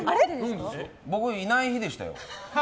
僕、いない日でしたよ。